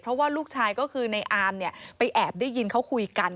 เพราะว่าลูกชายก็คือในอามเนี่ยไปแอบได้ยินเขาคุยกัน